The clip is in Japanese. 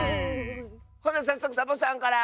ほなさっそくサボさんから！